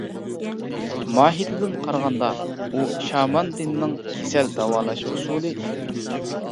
ماھىيىتىدىن قارىغاندا، ئۇ شامان دىننىڭ كېسەل داۋالاش ئۇسۇلى ئىدى.